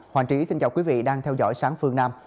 hoàng trí xin chào quý vị đang theo dõi sáng phương nam